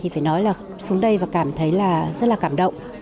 phải nói là xuống đây và cảm thấy là rất là cảm động